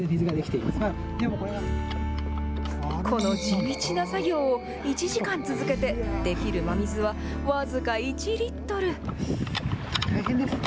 この地道な作業を１時間続けて、できる真水は僅か１リットル。